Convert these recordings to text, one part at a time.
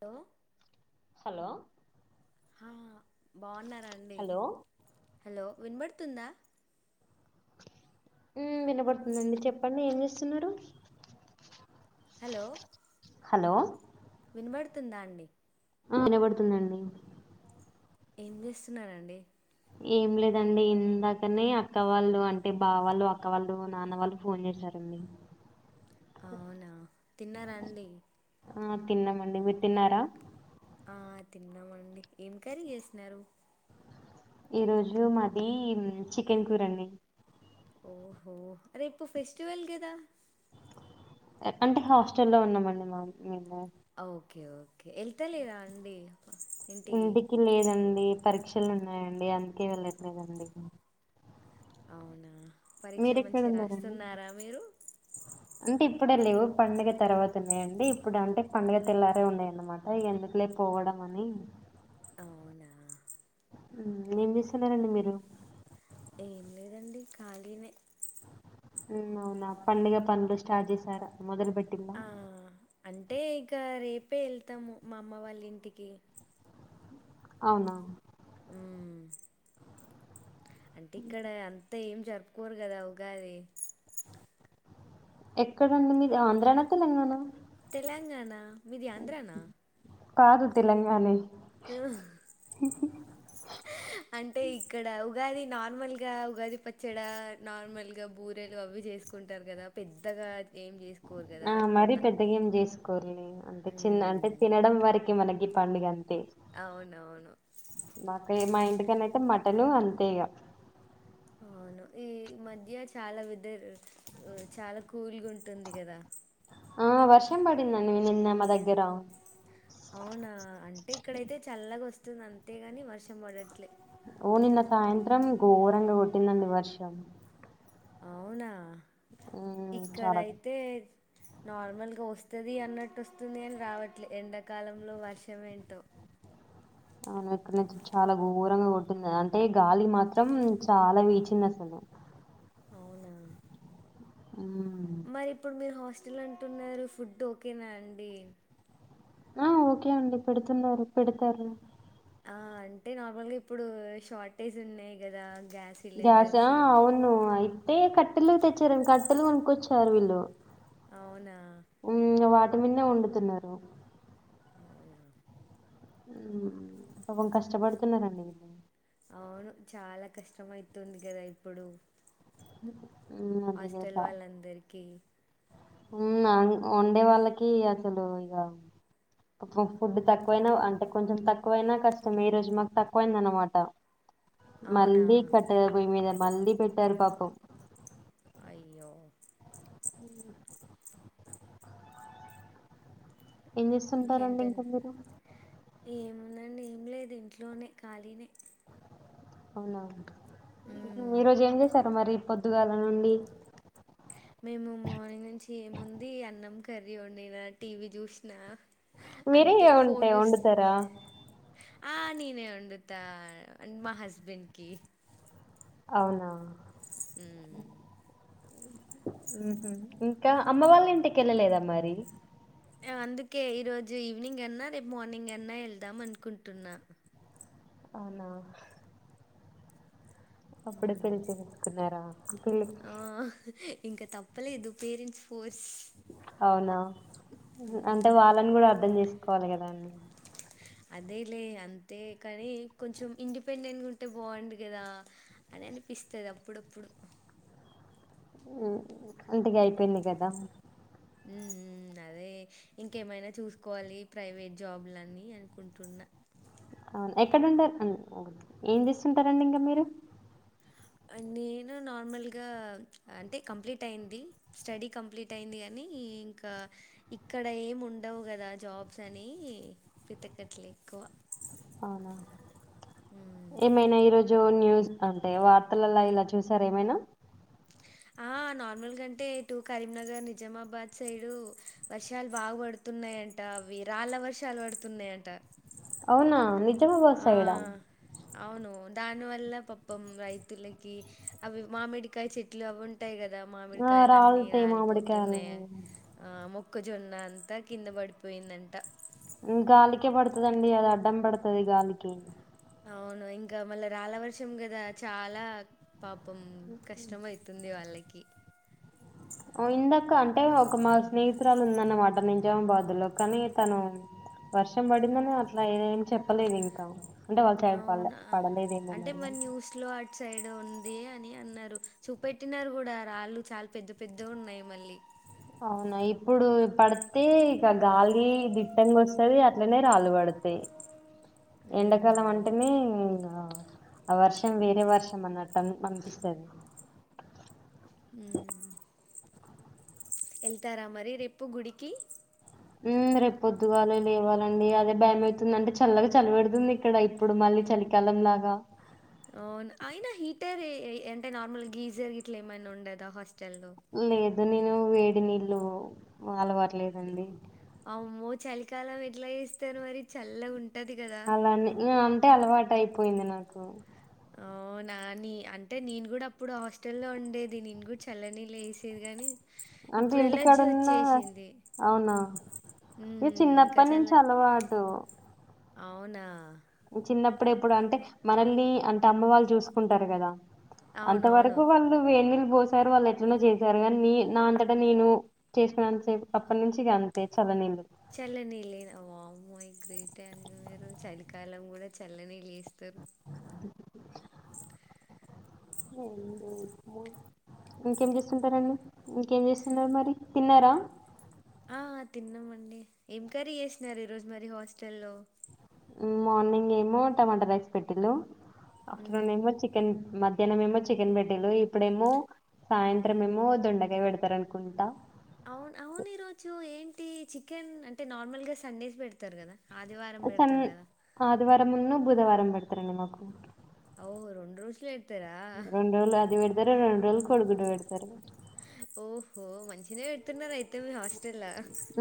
Hello hello ఆ బాగున్నారా అండి హలో హలో వినబడుతుందా. ఉమ్ వినపడుతుందండి చెప్పండి ఏం చేస్తున్నారు. హలో హలో వినబడుతుందా అండి ఆ వినబడుతుందండి ఏం చేస్తున్నారండి ఏం లేదండి ఇందాకనే అక్క వాళ్ళు అంటే బావ వాళ్ళు అక్క వాళ్ళు నాన్న వాళ్ళు ఫోన్ చేశారు రన్నింగ్ అవునా తిన్నారా అండి ఆ తిన్నామండి మీరు తిన్నారా ఆ తిన్నామండి ఏం కరీ చేసినారు ఈ రోజు మాది చికెన్ కూర అండి ఓహో రేపు ఫెస్టివల్ గదా అంటే హాస్టల్ లో ఉన్నాము అండి మ మేము ఓకే ఓకే వెళ్తలేరా అండి ఇంటికి లేదండి పరీక్షలు ఉన్నాయండి అందుకే వెళ్ళట్లేదండి అవునా మీర పరీక్షలు ఎక్కడ మంచిగా ఉన్నారండి రాస్తున్నారా మీరు అంటే ఇప్పుడే లేవు పండుగ తర్వాత ఉన్నాయండి ఇప్పుడు అంటే పండుగ తెల్లారే ఉన్నాయ అన్నమాట ఎందుకులే పోవడం అని అవునా ఏం చేస్తున్నారండి మీరు ఏం లేదండి ఖాళీనే మ్మ్ అవునా పండుగ పనులు స్టార్ట్ చేసారా మొదలు పెట్ట ఆ అంటే ఇక రేపే వెళ్తాము మా అమ్మ వాళ్ళ ఇంటికి అవునా హు అంటే ఇక్కడ అంతా ఏం జరుపుకోరు కదా ఉగాది ఎక్కడండి మీది ఆంధ్రానా తెలంగాణ తెలంగాణ మీది ఆంధ్రానా కాదు తెలంగానే ఆ అంటే ఇక్కడ ఉగాది నార్మల్ గా ఉగాది పచ్చడా నార్మల్ గా బూరెలు అవి చే చేసుకుంటారు కదా పెద్దగా ఏం చేసుకోరు కదా అంటున్నా కోరిని అంటే చిన్న అంటే హ్మ్. తినడం వారికి మనకి పండుగ అంత అ అవునవును. మాకు మా ఇంటికని అయితే మట్ కట్టలు అంతే ఇగా ఆ ఈ మధ్య చాలా వెదర్ చాలా కూల్గా ఉంటుంది కదా ఆ వర్షం పడిందండి నిన్న మా దగ్గర అవునా అంటే ఇక్కడైతే చల్లగా వస్తుంది అంతేగాని వర్షం పడట్లేదు ఓ నిన్న సాయంత్రం ఘోరంగా కొట్టిందండి వర్షం అవునా హ్మ్. చాలా. ఇక్కడయితే నార్మల్గా వస్తుంది అన్నట్టు వస్తుంది అని రావట్లే ఎండాకాలంలో వర్షం ఏంటో అవును ఇక్కడ చాలా ఘోరంగా కొట్ంది అంటే గాలి మాత్రం చాలా వీచింది అసలు అవునా హ్మ్. హస్టల్ అంటున్నారు ఫుడ్ ఓకేనా అండి ఆ ఓకే అండి పెడుతున్నారు పెడతారు ఆ అంటే నార్మల్గా ఇప్పుడు షార్టేజ్ ఉన్నాయి కదా గ్యాస్ గ్యాసా సిలిండర్స్ అవును అయితే కట్టెలు తెచ్చారండి కట్టెలు కొనుక్కొచ్చారు వీళ్ళు అవునా కట్ట మిద్దే వుండుతున్నారు అవునా పాపం కష్టపడుతున్నారండి వీ అవును చాలా కష్టం అయితుంది కదా ఇప్పుడు హ హాస్టల్ వాళ్ళందరికి హమ్ వండే వాళ్ళకి అసలు ఇగ అబ్బో ఫుడ్ తక్కువైనా అంటే కొంచెం తక్కువైనా కష్టం ఈ రోజు మాకు తక్కువైంద అనమాట అవునా మళ్ళీ కట్టగా పోయి మీద వండి పెట్టారు పాపం అయ్యో ఏం చేస్తుంటారండి ఇంకా మీరు నేను ఏం లేదు ఇంట్లోనే ఖాళీనే అవునావు ఉమ్ ఈరోజు ఏం చేశారు మరి పొద్దుగాల నుండి మేము మార్నింగ్ నుంచి ఏముంది అన్నం కర్రీ వండినా టీవీ చూసిన మీరే ఏ వండుతారా ఆ నేనే వండుతా మా హస్బెండ్కిి అవునా ఉమ్ ఉహూ. ఇంకా అమ్మ వాళ్ళ ఇంటికి వెళ్ళలేదా మరి అందుకే ఈ రోజు ఈవినింగ్ అన్నా రేపు మార్నింగ్ అన్నా వెళ్దాం అనుకుంటున్నా అవునా అప్పుడే పెళ్లి చేసుకున్నారా పిల్లి ఆ ఇంకా తప్పలేదు పేరెంట్స్ ఫోర్ అవునా అంటే వాళ్ళని కూడా అర్ధం చేసుకోవాలి కదా అంీ అదేలే అంతే కాని కొంచెం ఇండిపెండెంట్ గా ఉంటే బాగుంంది కదా అ అనిపిస్తుంది అప్పుడప్పుడు అంతక అయిపోయిందియి కదా ఉమ్ ఉమ్ అం అదే ఇంకేమైనా చూసుకోవాలి ప్రైవేట్ జాబ్లాన్ని అనుకుంటున్నా అవును ఎక్కడంటారు ఏం చేస్తుంటారండి ఇంకా మీరు నేను నార్మల్గా అంటే కంప్లీట్ అయింది స్టడీ కంప్లీట్ అయింది కాగానీ ఇంకా ఇక్కడ ఏం ఉండవు కదా జాబ్స్ అని వెతకట్లే ఎక్కువ అవునా హ్మ్. ఏమైనా ఈరోజు జో న్యూస్ అంటే వార్తలలా ఇలా చూసార ఏమైనా ఆ నార్మల్గాంటే ఇటు కరీంనగర్ నిజామాబాద్ సైడ్ వర్షాలు బాగు పడుతాయి పడుతున్నాయి అంటే రాళ్ళ వర్షాలు పడుతున్నాయి అంట అవునా నిజ ఆహ్ అవును దాని వల్ల పాపం రైతులకి అవి మామిడికాయ చెట్లు అవి ఉంటాయి కదా ఆ! మామిడికాయలున్న రాలుతాయి రాలిపోతున్నాయా మామిడికాయలని. ఆ మోక్కజొన్న అంతా కింద పడిపోయిందంట గాలికే పడుతుదండి అది అడ్డం పడుతుది గాలికి అవును ఇంకా మళ్ళా రాళ్ళ వర్షం కదా చాలా పాపం కష్టమ అవుతుంది వాళ్ళకి ఇందాక అంటే ఒక మా స్నేహితురాలు ఉందన్నమాట నిజామాబాద్ లో కానీ తను వర్షం పడిందని అట్లా ఏద ఏమి చెప్పలేదు ఇంకా అంటే వాళ్ళ సైడ్ పడలే అవునా పడలేదేమో అంటే మరి మ అని. న్యూస్ లో అటు సైడ్ ఉ అదే అని అన్నారు చూపెట్టినారు కూడా రాళ్ళు చాలా పెద్ద పెద్ద ఉన్నాయి మళ్ళీ అవునా ఇప్పుడు పడితే ఇక గాలి దిట్టంగా వస్తుది అట్లనే రాలు పడతాయి అతాయి ఉమ్ ఎండాకాలం అవును అంటేనే ఆ వర్షం వేరే వర్షం అన్ని పంపిస్తాది ఉమ్ వెళ్తారా మరి రేపు గుడికి రేపు పొద్దుగా లేవాలండి అదే భయంమవుతుంది అంటే చల్లగా చలి పెెడుతుంది ఇక్కడ ఇప్పుడు మళ్ళీ చలి కాలంలాగా అవును అయినా హీటర్ అంటే నార్మల్ గీజర్ గ ఇట్లా ఏమైనా ఉండదా తెల్దు అ నేను వేడి నీళ్లు అలవాటు లేదండి అమ్మో చలికాలం ఎట్లా చేస్తారు మరి చల్లగా ఉంట అలానే అంటే అలవాట అయిపోయింది నాకు అవునా నీ అంటే నేను కూడా అప్పుడు హాస్టల్లో ఉండేది నేను కూడా చల్లనినీళ్ళు వేసేది కానీ అంటే ఇంటికాడున్నా అవునా ఇ హ్మ్. ఇంకా చిన్నప్పటి చల్ల నుంచి అలవాటు అవునా చిన్నప్పుడ ఎప్పుడు అంటే మనల్ని అంటే అమ్మ వాళ్ళు చూసుకుంటారు కదా అంత అవునవును. వరకు వాళ్ళు వెళ్ళ పోసారు వాళ్ళు ఎట్లనో చేశారు కాని న నా అంతటా నేను చేసుకున్నా అప్పటి నుంచి అంతే చల్లనీళ్ళు చల్లనీళ్ లే వా మై గ్రేట్ అని మీరు చలికాలం కూడా చల్లనినీళ్ళుస్తారు [inaudible] [inaudible] [unintelligible] ఇంకేం చేస్తుంటారండి ఇంకేం చేస్తున్నారు మరి తిన్నారా ఆ తిన్నామండి ఏం కర్రీ చేసినారు ఈ రోజు మరి హాస్టల్ల్లో మార్నింగ్ ఏమో టమాటా రైస్ పెట్టిళ ఆఫ్టర్నూన్ హ్మ్ ఏమో చికెన్ మధ మధ్యన ఏమో చికెన్ పెట్టిండ్ర ఇప్పుడేమో సాయంత్రం ఏమో దొండకాయ పెడతారు అనుకుంటా అవును అవును ఈరోజు ఏంటి చికెన్ అంటే నార్మల్ గా సండేస్ పెడతారు కదా ఆదివారం పెడతారు కదా మళ్ళా మున్న బుధవారం పెడతారండి మాకు ఔ రెండు రోజులు పెడతారా రెండు రోజులు అది పెడతారు రెండు రోజులు కోడుగుడ్డు పెడతారు ఓహో మంచినే పెడుతున్నారు ఐతే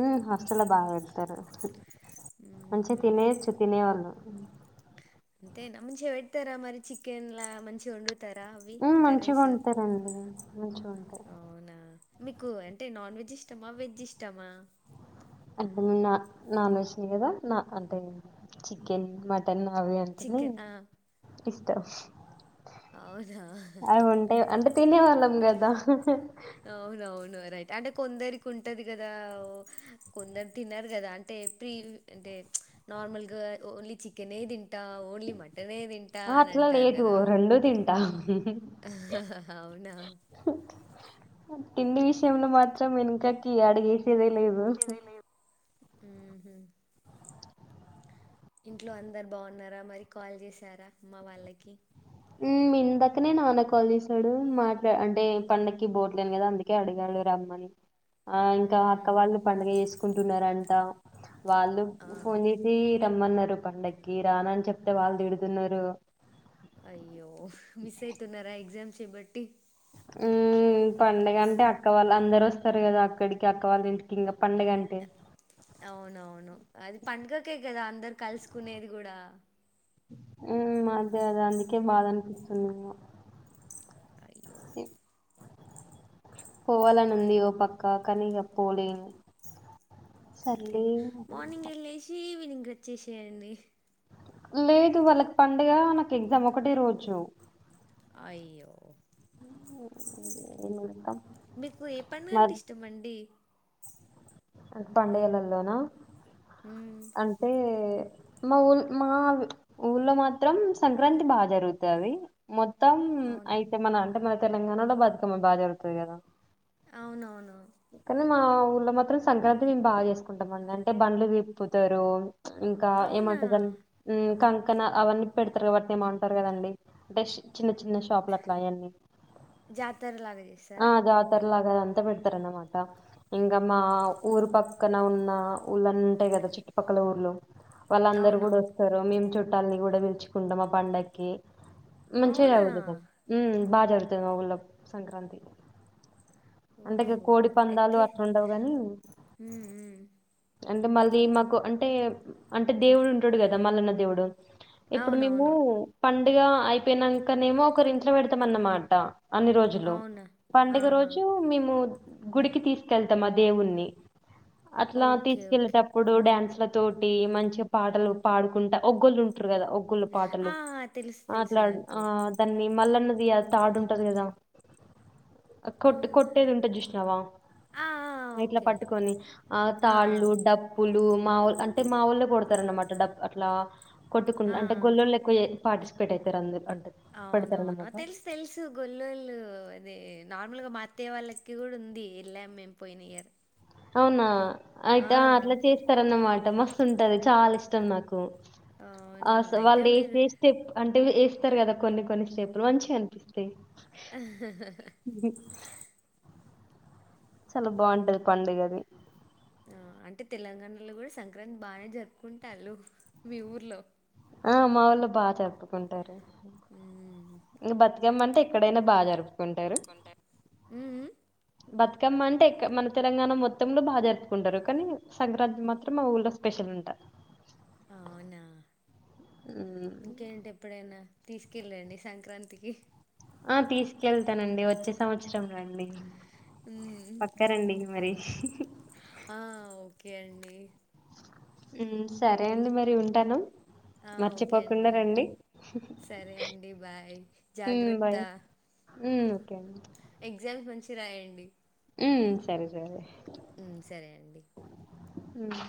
ఆ హాస్టెల్ బాగా పెడతారు మంచి మ్మ్హ్ తినే వచ్చు తినేవాళ్ళు అంతే నా ముంచిగా పెడతారా మరి చికెన్ లా మంచిగా ఉండు ఆ మంచిగా వండుతారండి మంచిగా ఉంటారు అవునా మీకు అంటే నాన్ వెజ్ ఇష్టమా వెజ్ ఇష్టమా అంటే నన్ వెెజ్ చేదా అంటే చికెన్ మ తను అబి అంటెనేే చికెన్ ఆ ఇష్టం అవునా అవి ఉంటాయి అంటే తినేవాళ్ళం కదా అవునవును రైట్ అంటే కొందరికి ఉంటది కదా కొందరు తిన్నారు కదా అంటే ప్రీ అంటే నార్మల్గా ఓన్లీ చెకెన్ తింటా ఓన్లీ మ ఆ అట్ల లేదు రెండు తింటా అవునా తిండి విషయంలో మాత్రం వెనకాకి అడిగేసేదే లేదు ఉ ఇంట్లో అందరు బాగున్నారా మరి కాల్ చేశారా మా వాళ్ళకి హ్మ్. ఇందాకనే నాన్న కాల్ చేసాడు మాట్లా అంటే పండకి బోట్లేని కదా అందుకే అడిగాడు రమ్మని ఆ ఇంకా అక్క హుహు. వాళ్ళు పండుగ చేసుకుంటున్నారంట వాళ్ళ ఆ! ఫోన్ చేసి రమ్మన్నారు పండకి రానా అని చెప్తే వాళ్ళు తిడుతున్నారు అయ్యో మిస్ అయితున్నారా ఎగ్జామ్స్ బట్టి హు హు పండగంటే అక్క వాళ్ళ అందరస్తారు కదా అక్కడికి అక్క వాళ్ళ ఇంటికి ఇంగా పండగంటే అవునవును అది పండుగకేకదా అందర్ కలుసుకునేది గుడా హు అద్దె అదే అందుకే బాధ అనిపిస్తుందేమో అయ్యో! ఏ పోవాలనుంది ఓ పక్క కానీ ఇగా పోలేను సర్లే మార్నింగే లేసి ఈవినింగ్ వచ్చేసేయండి లేదు వాళ్ళకి పండగ నాకు ఎగ్జామ్ ఒకటే రోజు అయ్యో హుహు నీన్ ఊడ్తా [unintelligible] మీకు ఏ పండగంటే ఇష్టమండి పండగలల్లోనా మ్మ్ అంటే మా ఊల్ మా ఊళ్లో మాత్రం సంక్రాంతి బాగ జరుగుతాది మొ త్తం అవును అయితే మన అంటే మన తెలంగాణలో బతుకమ్మ బాగ జరుగుతది గదా అవునవును కానీ మా ఊర్లో మాత్రం సంక్రాంతి మేమ్ బాగ జేసుకుంటామండి అంటే బండ్లు దిప్పుతరు ఇంకా అవునా ఏమంటర్ దాని కన్ క్కన అవన్నీ పెడతార్ గా వాటినేమో అంటార్ గదండి అంటే షి చిన్న చిన్న షాపులట్ల అయ్యన్ని జాతరలాగా చేస్తారా ఆ జాతర్లగా అది అంతా పెడ త రన్నమాట ఇంగ మా ఊరు పక్కన ఉన్న ఊర్లుంటాయి గదా చుట్టుపక్కన ఊర్లు వాళ్ళందరు అవును గూడా వస్తరు మేమ్ చుట్టాలన్ని గూడా పిలుచుకుంటాం మా పండక్కి మంచిగ అవునా జరుగుతదండి ఉమ్ బాగ జరుతది మా ఊర్లో సంక్రాంతి అంటే ఇగా ఓహో కోడి పందాలు అయితే అట్లుండవు గాని మ్మ్ మ్మ్ అంటే మళ్ళీ మాకు అంటే అంటే దేవుడుంటాడు గదా మల్లన్న దేవుడు ఇప్పుడు మేము అవునవును పండుగ అయిపోయినంకనేమో ఒకరింట్లో పెడ్తమ్ అన్నమాట అన్ని రోజులు అవునా పండుగ ఆహా రోజు మేము గుడికి తీసుకెళ్తాం ఆ దేవుని అట్లా ఓకే ఓకే తీసుకెళ్ళెటపుడు డాన్స్ తోటి మంచిగ పాటలు పాడుకుంటా ఓగ్గోలుంటారు గదా ఓగ్గో లు పాటలు ఆ తెలుసు తెలుసు మాట్లాడ్ నాకు ఆ దాన్ని మల్లన్న అది తాడుంటది గదా ఆ కొట్ కొట్టేదుంటది జూసినవా ఆ ఆ ఇట్లా ఓకే పట్టుకొని ఆ! ఆ తాళ్ళు డప్పులు మా వోల్ అంటే మా వోళ్ళే కొడ్తా రన్నమాట డప్ అట్లా కొట్టుకుండ ఆ అంటే ఆ గొల్లోల్ ఎక్కువ ఏ పార్టీస్పెట్ అయితర్ అందరూ అవునవును తెల్స్ తెల్సు గొల్లోలు అదే నార్మల్గా మా అత్తయ్య వాళ్ళకి కూడా ఉంది ఎల్లామ్ మేము పోయిన ఇయర్ అవునా అయితే ఆ అట్లా చేస్తారన్నమాట మస్తుంటది చాలా ఇష్టం నాకు హా అవునా! సా అయితే వాళ్ళు మీరు ఏసె స్టేప్ అంటే ఏ స్తరు గదా కొన్ని కొన్ని స్టేప్పులు మంచిగనిపిస్తాయి హిహిహిహి [unintelligible] చాలా బాగుంటది పండుగది ఆ అంటే తెలంగాణలో గూడా సంక్రాంతి బానే జరుపుకుంటాలు మీ ఊర్లో ఆ మా ఊర్లో బాగ జరుపుకుంటారు హ్మ్. ఇగ బత్ రమ్మంటే ఇక్కడైనా బాగ జరుప్ కొంటే [unintelligible] ఉమ్ ఉమ్ బతుకమ్మ అంటే ఇక్కా మన తెలంగాణ మొత్తంలో బాగ జరుపుకుంటారు కానీ సంక్రాంతి మాత్రం మా ఊర్లో స్పెషల్ ఉంటారు అవునా ఇక్కెంటి ఎప్పుడైనా తీసుకెళ్ళండి సంక్రాంతికి ఆ తీసుకెళ్తానండి వచ్చే సంవత్సరం రండి హ్మ్. పక్కారండి మరి ఆ ఓకే అండి ఉమ్ సరే అండి మరి ఉంటాను ఆ! ఓకే మర్చిపోకుండా అండి. రండి సరే అండి బాయ్ జాగ్రత్త ఊమ్ ఎగ్జామ్స్ మంచిగ రాయండి ఉమ్ సరే సరే. ఉమ్ సరే అండి. ఊమ్.